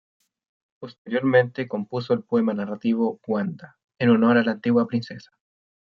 Posteriormente compuso el poema narrativo "Wanda" en honor a la antigua princesa.